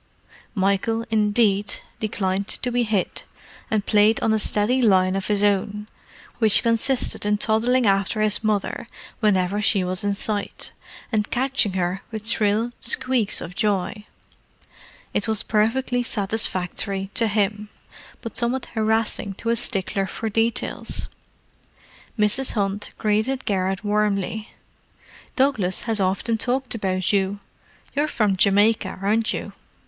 Michael, indeed, declined to be hid, and played on a steady line of his own, which consisted in toddling after his mother whenever she was in sight, and catching her with shrill squeaks of joy. It was perfectly satisfactory to him, but somewhat harassing to a stickler for detail. Mrs. Hunt greeted Garrett warmly. "Douglas has often talked about you—you're from Jamaica, aren't you?"